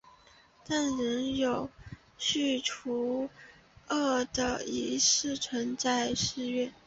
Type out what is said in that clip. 但仍有以驱除恶运的仪式存在的寺院。